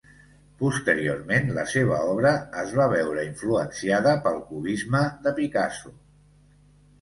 Posteriorment la seva obra es va veure influenciada pel cubisme de Picasso.